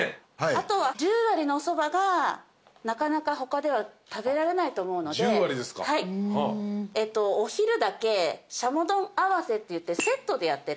あとは十割のおそばがなかなか他では食べられないと思うのでお昼だけしゃも丼合せっていってセットでやってるんです。